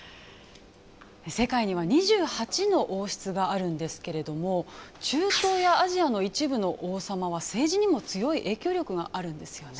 世界には２８の王室があるんですが中東やアジアの一部の王様は政治にも強い影響力があるんですよね。